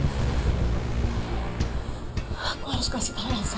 aku harus kasih tau reza